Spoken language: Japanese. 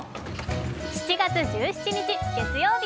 ７月１７日月曜日。